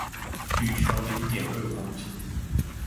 鋁球零點二公斤